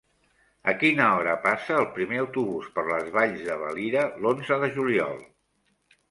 A quina hora passa el primer autobús per les Valls de Valira l'onze de juliol?